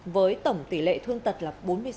với tổng tỷ lệ thương tật là bốn mươi sáu